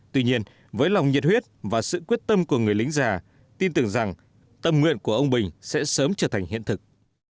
tuy nhiên với lòng nhiệt huyết và sự quyết tâm của người lính già tin tưởng rằng tâm nguyện của ông bình sẽ sớm trở thành hiện thực